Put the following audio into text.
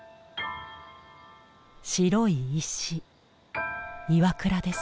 白い石磐座です。